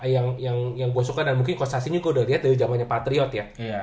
yang yang gue suka dan mungkin coach cacing juga udah lihat dari zamannya patriot ya